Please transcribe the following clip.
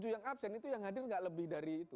tujuh yang absen itu yang hadir tidak lebih dari itu